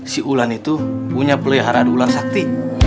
si ulan itu punya peliharaan ulan sakti